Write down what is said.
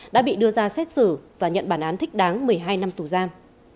đã bị đưa ra xét xử và nhận bản án thích đáng một mươi hai năm tù giam